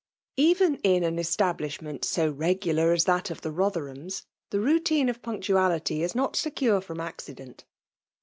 Even in an establishment so regular as that of the Botherhams, the routine of punctuality is not secure from accident.